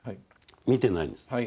見てないんです。